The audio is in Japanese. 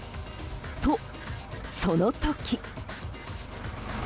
と、その時。